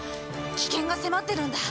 危険が迫ってるんだ。